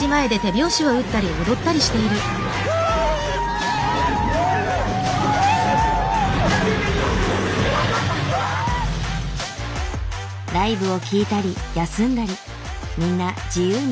ライブを聴いたり休んだりみんな自由に過ごしている。